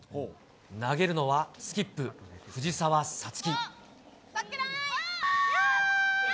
投げるのは、スキップ、藤澤五月。